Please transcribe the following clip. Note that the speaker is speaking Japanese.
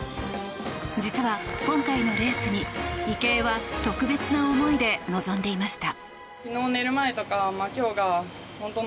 実は今回のレースに、池江は特別な思いで臨んでいました。